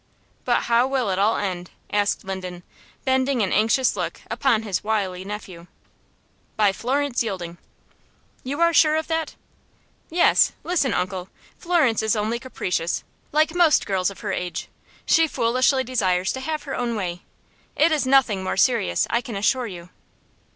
"But how will it all end?" asked Linden, bending an anxious look upon his wily nephew. "By Florence yielding." "You are sure of that?" "Yes. Listen, uncle; Florence is only capricious, like most girls of her age. She foolishly desires to have her own way. It is nothing more serious, I can assure you."